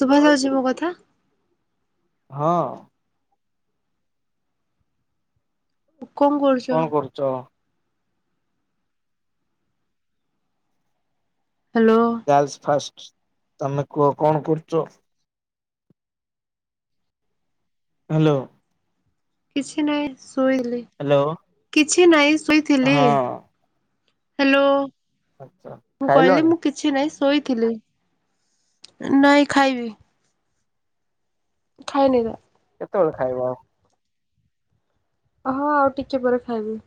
ଶୁଭା ଯାଉଛି ମୋ କଥା? ହଁ। କଣ କରୁଛ? କଣ କରୁଚ? ହ୍ୟାଲୋ ଗାଲ୍ସ୍ ଫାଷ୍ଟ ତମେ କୁହ କଣ କରୁଚ? ହାଲୋ। କିଛି ନାଇଁ ଶୋଇଥିଲି। କିଛି ନାଇଁ ଶୋଇଥିଲି। ହଁ ହାଲୋ, ଆଛା ମୁଁ କହିଲି ଖାଇଲଣି ମୁଁ କିଛି ନାହିଁ ଶୋଇଥିଲି। ନାଇଁ ଖାଇବି ଖାଇନି ତ। କେତେବେଳେ ଖାଇବ ଆଉ? ହଁ, ଆଉ ଟିକେ ପରେ ଖାଇବି।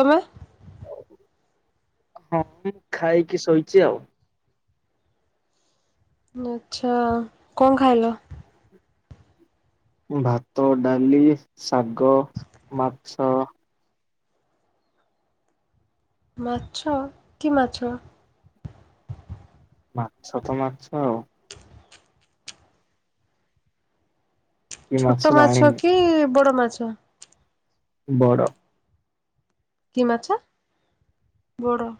ତମେ? ହଁ ମୁଁ ଖାଇକି ଶୋଇଛି ଆଉ। ଆଚ୍ଛା, କଣ ଖାଇଲ? ଭାତ, ଡାଲି, ଶାଗ, ମାଛ। ମାଛ, କି ମାଛ? ମାଛ ତ ମାଛ ଆଉ। କି ଛୋଟ ମାଛ ଜାଣିନି କି ବଡ ମାଛ? ବଡ଼। କି ମାଛ, ବଡ।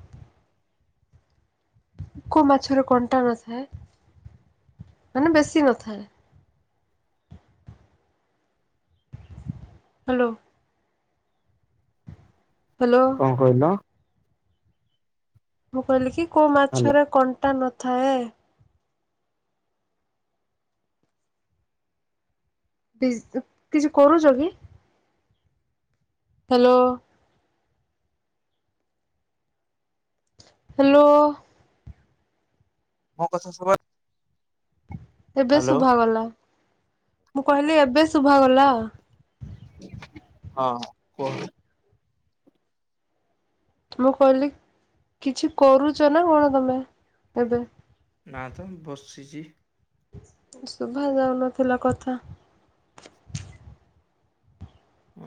କୋଉ ମାଛର କଣ୍ଟା ନଥାଏ ମାନେ ବେଶୀ ନଥାଏ? ହ୍ୟାଲୋ। ହ୍ୟାଲୋ କଣ କହିଲ? ମୁଁ କହିଲି କି କୋଉ ହ୍ୟାଲୋ ମାଛରେ କଣ୍ଟା ନଥାଏ? କିଛି କରୁଛ କି? ହ୍ୟାଲୋ। ହ୍ୟାଲୋ। ମୋ କଥା ଶୁଭା ଏବେ ହ୍ୟାଲୋ ଶୁଭା ଗଲା ମୁଁ କହିଲି ଏବେ ଶୁଭା ଗଲା। ହଁ କହ। ମୁଁ କହିଲି କିଛି କରୁଛ ନା କଣ ତମେ ଏବେ? ନା ତ ବସିଚି। ଶୁଭା ଯାଉନଥିଲା କଥା।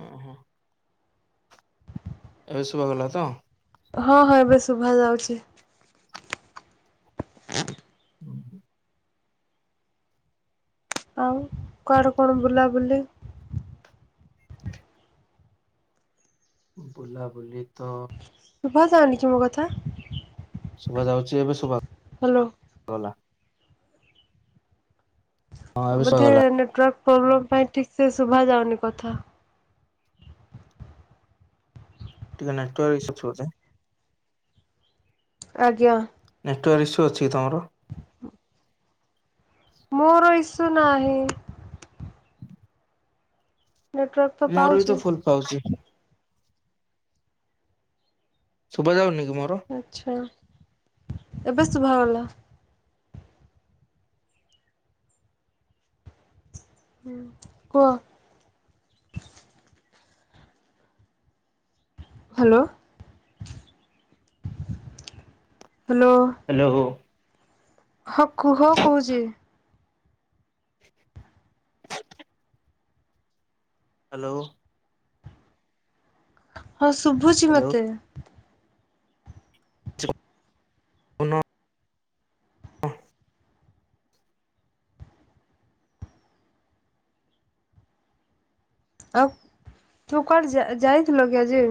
ଓ ହୋ। ଏବେ ଶୁଭା ଗଲା ତ? ହଁ ହଁ ଏବେ ଶୁଭା ଯାଉଛି। [unintelligible] ଆଉ କୁଆଡୁ କଣ ବୁଲାବୁଲି? ବୁଲାବୁଲି ତ ଶୁଭା ଯାଉନି କି ମୋ କଥା? ଶୁଭ ଯାଉଛି ଏବେ ଶୁଭା ହ୍ୟାଲୋ। ଗଲା। ହଁ ଏବେ ବୋଧେ ଶୁଭାଗଲା ନେଟୱର୍କ ପ୍ରୋବ୍ଲେମ ପାଇଁ ଠିକ ସେ ଶୁଭା ଯାଉନି କଥା। ଟିକେ ନେଟୱର୍କ ଈଶୁ ରହୁଛି। ଆଜ୍ଞା। ନେଟୱର୍କ ଇସୁ ଅଛି କି ତମର? ମୋର ଇସୁ ନାହିଁ। ନେଟୱାର୍କ ତ ମୋର ବି ପାଉଛି। ତ ଫୁଲ ପାଉଛି। ଶୁଭା ଯାଉନି? କି ମୋର? ଆଛା ଏବେ ଶୁଭା ଗଲା। ହୁଁ କୁହ। ହ୍ୟାଲୋ। ହ୍ୟାଲୋ। ହ କୁହ କହୁଛି। ହ୍ୟାଲୋ। ହଁ ଶୁଭୁଛି ହ୍ୟାଲୋ ମୋତେ। ଆଉ ତୁ କୁଆଡେ ଯା-ଯାଇଥିଲ କି ଆଜି?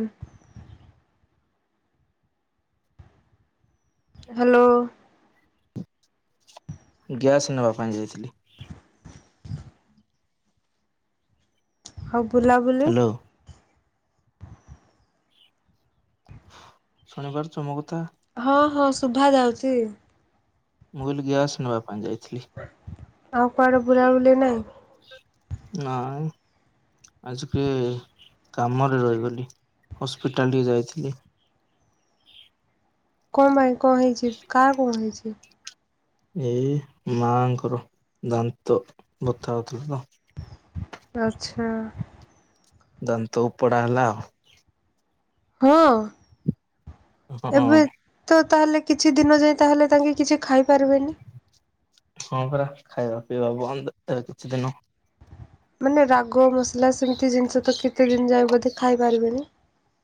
ହ୍ୟାଲୋ। ଗ୍ୟାସ୍ ନେବା ପାଇଁ ଯାଇଥିଲି। ଆଉ ବୁଲାବୁଲି? ହ୍ୟାଲୋ। ଶୁଣିପାରୁଛ ମୋ କଥା? ହଁ ହଁ ଶୁଭା ଯାଉଚି। ମୁଁ କହିଲି ଗ୍ୟାସ ନବା ପାଇଁ ଯାଇ ଆଉ କୁଆଡେ ବୁଲାବୁଲି ନାଇଁ। ନାଇଁ। ଆଜିକି କାମରେ ରହିଗଲି ହସ୍ପିଟାଲ ଟିକେ ଯାଇଥିଲି। କଣ ପାଇଁ କଣ ହେଇଚି କାହାର କଣ ହେଇଚି? ଏଇ ମାଆଙ୍କର ଦାନ୍ତ ବଥା ହଉଥିଲା ତ। ଆଚ୍ଛା! ଦାନ୍ତ ଉପଡା ହେଲା ଆଉ। ହଁ ହଁ ଏବେ ତ ତାହେଲେ କିଛି ଦିନ ଯାଏ ତାହେଲେ ତାଙ୍କେ କିଛି ଖାଇ ପାରିବେନି? ହଁ ପରା ଖାଇବା ପିଇବା ବନ୍ଦ, ଏ କିଛି ଦିନ। ମାନେ ରାଗ ମସଲା ସେମତି ଜିନଷ ତ କେତେ ଦିନ ଯାଏ ବୋଧେ ଖାଇ ପାରିବେନି?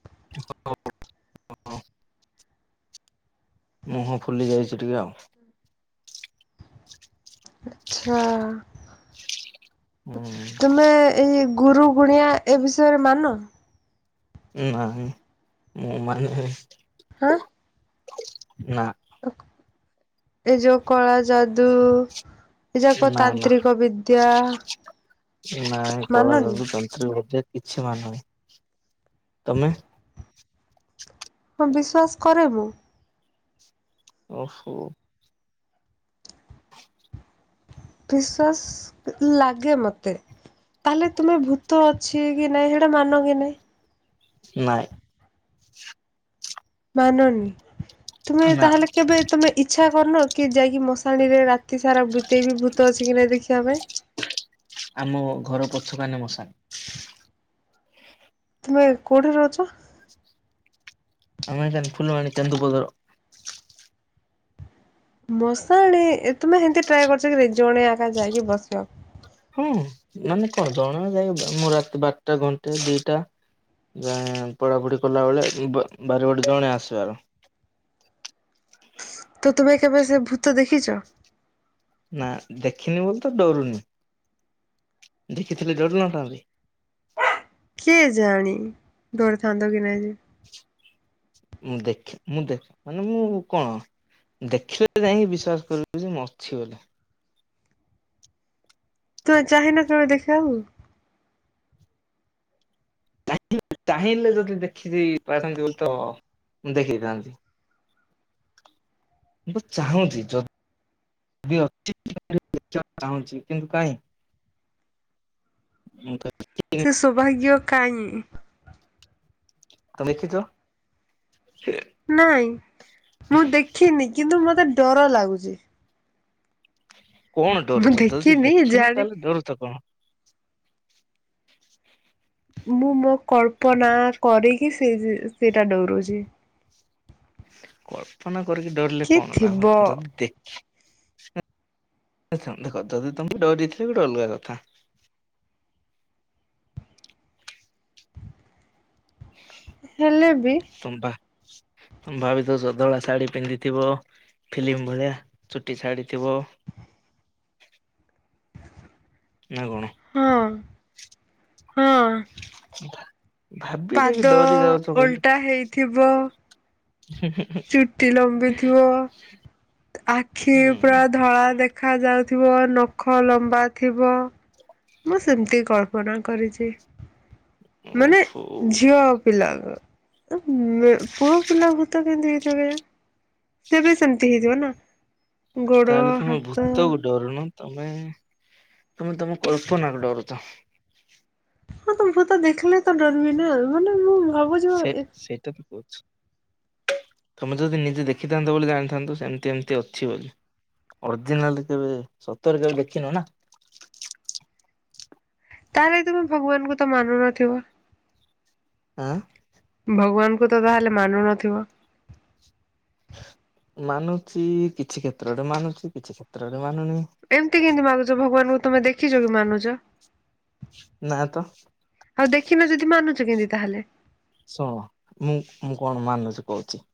[unintelligible] ହଁ। ମୁହଁ ଫୁଲି ଯାଇଛି ଟିକେ ଆଉ। ଆଚ୍ଛା! ହୁଁ ତୁମେ ଏଇ ଗୁରୁ ଗୁଣିଆ ଏ ବିଷୟରେ ମାନ? ନାଇଁ ମୁଁ ମାନେ ଆଁ। ନା। ଏ ଯୋଉ କଳା ଯାଦୁ ଏ ଯାକ ନା ତାନ୍ତ୍ରିକ ବିଦ୍ୟା। ନାଇ କଳା ମାନନି ଯାଦୁ ତାନ୍ତ୍ରିକ ବିଦ୍ୟା କିଛି ମାନୁନି ତମେ? ହଁ ବିଶ୍ୱାସ କରେ ମୁଁ। ଓହୋ! ବିଶ୍ୱାସ ଲାଗେ ମତେ। ତାହେଲେ ତୁମେ ଭୂତ ଅଛି କି ନାଇଁ ସେଇଟା ମାନ କି ନାହିଁ? ନାଇଁ। ମାନନି ତୁମେ ନା ତାହେଲେ କେବେ ତମେ ଇଛା କରିନ? କି ଯାଇକି ମଶାଣିରେ ରାତି ସାରା ବିତେଇ ବି ଭୂତ ଅଛି କି ନାଇଁ ଦେଖିବା ପାଇଁ? ଆମ ଘର ପଛ କାନେ ମଶାଣି। ତୁମେ କୋଉଠି ରହୁଛ? ଆମେ ଅଇଁଛା ଫୁଲବାଣୀ କେନ୍ଦୁ ପତର। ମଶାଣି ଏ ତୁମେ ସେମତି ଟ୍ରାଏ କରିଛ କି ନାଇଁ, ଜଣେ ଏକା ଯାଇକି ବସିବା। ହୁଁ ମାନେ କଣ ଜଣା ଯାଇ ମୁଁ ରାତି ବାରଟା, ଘଣ୍ଟେ, ଦିଟା। ଯାଏଁ ପଢାପଢି କଲାବେଳେ ବ ବାରି ବଟେ ଜଣେ ଆସିବାର। ତ ତୁମେ କେବେ ସେ ଭୂତ ଦେଖିଚ? ନା, ଦେଖିନି ବୋଲି ତ ଡରୁନି। ଦେଖିଥିଲେ ଡରି ନଥାନ୍ତି। କେଜାଣି ଡରିଥାନ୍ତ କି ନାଇଁ। ମୁଁ ଦେଖେ ମୁଁ ଦେ ମାନେ ମୁଁ କଣ ଦେଖିଲେ ତ ଯାଇକି ବିଶ୍ଵାସ କରିବି ଯେ ମୁଁ ଅଛି ବୋଲି। ତୁମେ ଚାହିଁନା କେବେ ଦେଖିବାକୁ? ଚାହିଁଲେ ଯଦି ଦେଇ ପାରିଥାନ୍ତି ବୋଲି ତ ଦେଖିଥାନ୍ତି। ମୁଁ ତ ଚାହୁଁଚି ଯ ଯଦି ଅଛି ଦେଖିବାକୁ ଚାହୁଁଛି କିନ୍ତୁ କାଇଁ ମୁଁ କ ସେ ସୌଭାଗ୍ୟ କାଇଁ। ତମେ ଦେଖିଚ? ନାଇଁ ମୁଁ ଦେଖିନି କିନ୍ତୁ ମତେ ଡର ଲାଗୁଛି। କଣ ମୁଁ ଡରୁଛ ଯଦି ଦେଖିନି ଦେଖିନୁ ଜାଣି ତାହେଲେ ଡରୁତ କଣ। ମୁଁ ମୋ କଳ୍ପନା କରିକି ସେ ସେଇଟା ଡରୁଛି। [inaudible] କଳ୍ପନା କରିକି ଡରିଲେ କିଏ କଣ ଲାଭ ଥିବ ଯଦି ଦେଖି କଥା ତମକୁ ଡରିଥିଲ ଗୋଟେ ଅଲଗା କଥା। ହେଲେ।। ବି ସୁଣୁପା ଭାବିଥ ସଧଳା ଶାଢ଼ୀ ପିନ୍ଧିଥିବ ଫିଲ୍ମ ଭଳିଆ ଚୁଟି ଶାଢ ଥିବ। ଉ। ନା କଣ? ହଁ ହଁ। ଭାବିନି କି ପାଦ ଡରି ଯାଉଛ ବୋଲି। ଓଲଟା ହେଇଥିବ ଚୁଟି ଲମ୍ବିଥିବ ଆଖି ହୁଁ ପୁରା ଧଳା। ଦେଖାଯାଉଥିବ ନଖ ଲମ୍ବା ଥିବ। ମୁଁ ସେମିତି କଳ୍ପନା କରିଛି। ମାନେ ଓହୋ ଝିଅ ପିଲା। ପୁଅ ପିଲା ଭୁତ କେମିତି ହେଇଥିବ କେଜାଣି ସିଏ ବି ସେମିତି ଦେଖି଼ ଥିବନା। ତାହେଲେ ତୁମେ ଭୂତକୁ ଡରୁନ। ତମେ ତମେ ତମ କଳ୍ପନା କୁ ଡରୁଚ। ହଁ ତ ମୁୁ ତ ଦେଖିଲ ତ ଡର ବି ନା ମାନେ ମୁ ସେ ସେଇଟା ତ କହୁଚି। ତମେ ଯଦି ନିଜେ ଦେଖିଥାନ୍ତ ବୋଲି ଜାଣିଥାନ୍ତୁ ସେମିତି ଏମିତି ଅଛି ବୋଲି। ଅରିଜିନାଲ କେବେ ସତରେ କେବେ ଦେଖିନୁ ନା? ତାହେଲେ ତୁମେ ଭଗବାନଙ୍କୁ ତ ମାନୁ ନଥିବ। ଆଁ। ଭଗବାନଙ୍କୁ ତ ତାହେଲେ ମାନୁ ନଥିବ? ମାନୁଛି କିଛି କ୍ଷେତ୍ରରେ ମାନୁଛି କିଛି କ୍ଷେତ୍ରରେ ମାନୁନି ଏମତି କେମତି ମାନୁଛ ଭଗବାନଙ୍କୁ ତମେ ଦେଖିଛ କି ମାନୁଛ। ନା ତ। ଆଉ ଦେଖିନ ଯଦି ମାନୁଛ କେମିତି ତାହେଲେ? ଶୁଣ ମୁଁ ମୁଁ କଣ ମାନୁଛି କହୁଛି।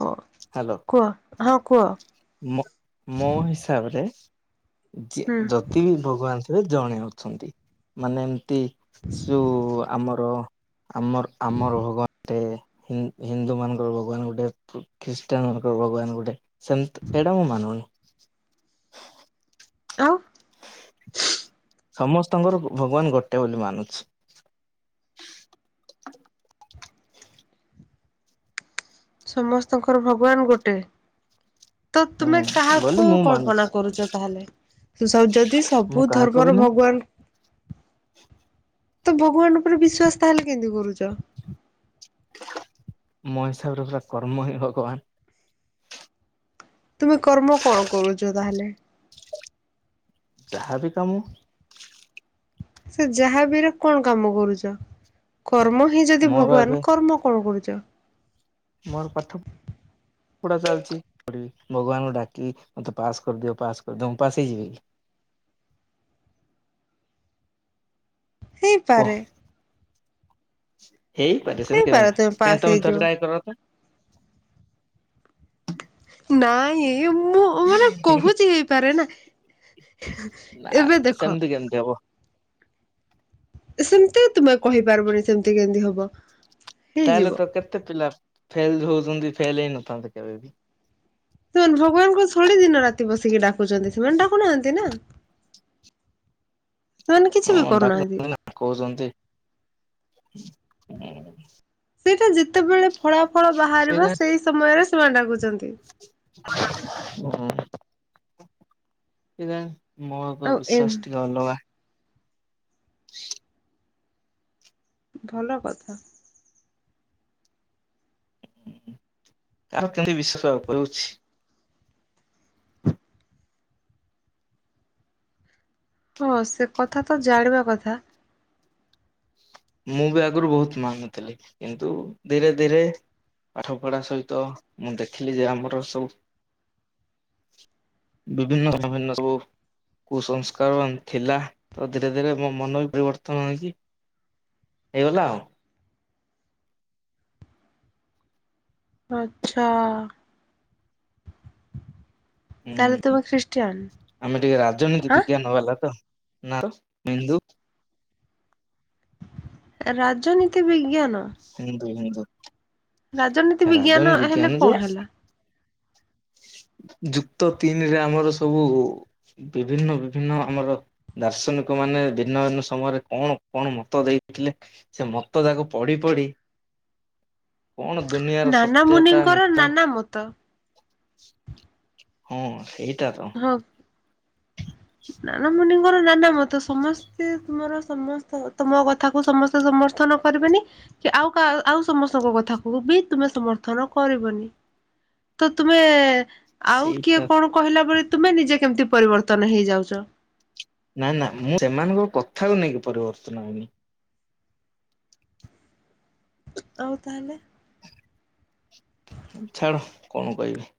ହଁ ହାଲୋ କୁହ ହଁ କୁହ ମୋ ହିସାବରେ ହୁଁ ଯଦି ବି ଭଗବାନ ଥିବବେ ଜଣେ ଅଛନ୍ତି ମାନେ ଯଉ ଆମର ଆମର ଆମର ଭଗବାନଟେ ହିନ୍ଦୁ ମାନଙ୍କର ଭଗବାନ ଗୋଟେ। ଖ୍ରୀଷ୍ଟାନ ଭଗବାନ ଗୋଟେ ସେମ ସେଇଟା ମୁଁ ମାନୁନି। ଆଉ। ସମସ୍ତଙ୍କର ଭଗବାନ ଗୋଟେ ବୋଲି ମାନୁଛି। ସମସ୍ତଙ୍କର ଭଗବାନ ଗୋଟେ। ତ ହୁଁ ତୁମେ ବୋଲି କାହାକୁ ମୁଁ ମାନୁଛି କଳ୍ପନା କରୁଛ ତାହେଲେ? ସୁସବୁ ଯଦି ମୁଁ ସବୁ କାହାକୁ ବି ଧର୍ମର ନାହିଁ ଭଗବାନ [unintelligible] ତ ଭଗବାନ ଉପରେ ବିଶ୍ୱାସ ତାହେଲେ କେମତି କରୁଛ? ମୋ ହିସାବରେ ପୁରା କର୍ମ ହିଁ ଭଗବାନ। ତୁମେ କର୍ମ କଣ କରୁଛ ତାହେଲେ? ଯାହା ବି କାମୁ ସେ ଯାହାବିରେ କଣ କାମ କରୁଛ? କର୍ମ ହିଁ ଯଦି ମୋର ଏବେ ଭଗବାନ କର୍ମ କଣ କରୁଛ? ମୋର ପାଠକ ପଢା ଚାଲିଛିି ଭଗବାନଙ୍କୁ ଡାକି ମତେ ପାସ୍ କରିଦିଅ ପାସ୍ କରିଦିଅ ମୁଁ ପାସ ହେ ଯିବି କି। କି? ହେଇପାରେ ହେଇପାରେ ସେମି କାଇହି ତମେ ଥର ଟ୍ରାଏ କର ତ। ନାଇଁ ମୁଁ ମାନେ କହୁଛି ହେଇପାରେ ନା ନା ଏବେ ନା ଦେଖ ସେମିତି କେମିତି ହବ ସେମିତି ତୁମେ କହିପାରିବନି ସେମିତି କେମିତି ହବ। ତାହେଲେ ହେଇଯିବ। ତ କେତେ ପିଲା ଫେଲ ହଉଛନ୍ତି ଫେଲ ହେଇନଥାନ୍ତେ କେବେ ବି। ସେମାନେ ଭଗବାନଙ୍କୁ ଶଳି ଦିନ ରାତି ବସିକି ଡାକୁଛନ୍ତି ସେମାନେ ଡାକୁନାହାନ୍ତି ନା। [inaudible] ସେମାନେ କିଛି ବି ହଁ କରୁନାହାନ୍ତି। ଡାକୁଛନ୍ତି ନା କହୁଛନ୍ତି। ସେଟା ଯେତେବେଳେ ଫଳା ଫଳ ବାହାରିବ କେଜାଣି ସେଇ ସମୟରେ ସେମାନେ ଡାକୁଛନ୍ତି। [unintelligible] କେଜାଣି ମୋର ତ ବିଶ୍ୱାସ ଆଉ ଏ ଟିକେ ଅଲଗା। [inaudible] ଭଲ କଥା। କାାର କେମତି ବିଶ୍ୱାସ କହୁଛି। ହଁ ସେ କଥା ତ ଜାଣିବା କଥା ମୁଁ ବି ଆଗରୁ ବହୁତ ମାନୁଥିଲି କିନ୍ତୁ ଧୀରେ ଧୀରେ ପାଠପଢା ସହିତ ମୁଁ ଦେଖିଲି ଯେ ଆମର ସବୁ ବିଭିନ୍ନଭିନ୍ନ ସବୁ କୁସଂସ୍କାର ଥିଲା ତ ଧୀରେ ଧୀରେ ମୋ ମନ ବି ପରିବର୍ତ୍ତନ ଆଣିଛି। ଏଇଗଲା ଆଉ। ଆଚ୍ଛା। ହୁଁ ତାହେଲେ ତୁମେ ଖ୍ରୀଷ୍ଟିଆନ ଆମେ ଟିକେ ରାଜନୀତି ହାଁ? ବିଜ୍ଞାନ ବାଲା ତ ନା ତ ବିନ୍ଦୁ ରାଜନୀତି ବିଜ୍ଞାନ ହିନ୍ଦୁ ହିନ୍ଦୁ ରାଜନୀତି ବିଜ୍ଞାନ ରାଜନୀତି ହେଲେ ବିଜ୍ଞାନ କଣ ଯେ ହେଲା? ଯୁକ୍ତ ତିନିରେ ଆମର ସବୁ ବିଭିନ୍ନ ବିଭିନ୍ନ ଆମର ଦାର୍ଶନିକ ମାନେ ଭିନ୍ନ ଭିନ୍ନ ସମୟରେ କଣ କଣ ମତ ଦେଇ ଥିଲେ ସେ ମତ ତାକୁ ପଢି ପଢି କଣ ଦୁନିଆର ନାନା ସତ୍ୟତା ମୁନିଙ୍କର ମିଥ ନାନା ମତ। ହଁ ସେଇଟା ତ। ହଁ [inaudible] ନାନା ମୁୁନିଙ୍କର ନାନା ମତ ସମସ୍ତେ ତୁମର ସମସ୍ତ ତମ କଥାକୁ ସମସ୍ତେ ସମସ୍ତେ ସମଥନ କରିବନି କି ଆଉ ଆଉ ସମସ୍ତଙ୍କ କଥାକୁ ବି ତୁମେ ସମର୍ଥନ କରିବନି। ତ ତୁମେ ଆଉ କିଏ ସେଇଟା କଣ କହିଲା ଭଳି ତୁମେ ନିଜେ କେମିତି ପରିବର୍ତ୍ତନ ହେଇଯାଉଛ। ନାଇ ନା ମୁଁ ସେମାନଙ୍କ କଥାକୁ ନେଇକି ପରିବର୍ତ୍ତନ ଆଇନି ଆଉ ତାହେଲେ? ଛାଡ କଣ କହିବି।